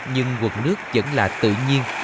nhưng quần nước vẫn là tự nhiên